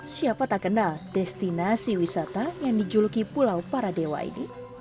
siapa tak kenal destinasi wisata yang dijuluki pulau paradewa ini